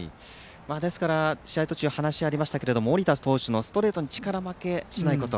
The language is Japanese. ですから試合途中、話、ありましたけど盛田投手のストレートの力負けしないこと。